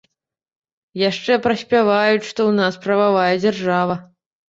Яшчэ праспяваюць, што ў нас прававая дзяржава.